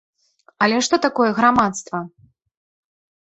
Але што такое грамадства?